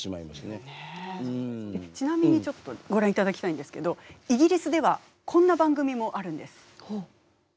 ちなみにちょっとご覧いただきたいんですけどイギリスではこんな番組もあるんです。